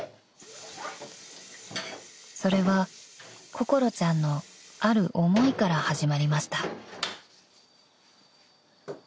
［それは心ちゃんのある思いから始まりました］